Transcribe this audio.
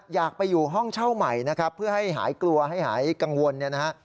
อยากไปอยู่ห้องเช่าใหม่นะครับเพื่อให้หายกลัวให้หายกังวลเนี่ยนะฮะ